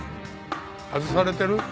外されてる？